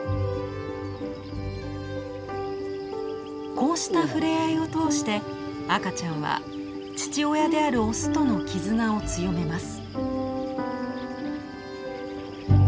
こうした触れ合いを通して赤ちゃんは父親であるオスとの絆を強めます。